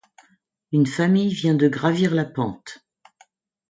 Une famille vient de gravir la pente.